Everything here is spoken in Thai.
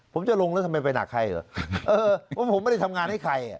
ผมจะลงแล้วทำไมไปหนักใครเหรอเออเพราะผมไม่ได้ทำงานให้ใครอ่ะ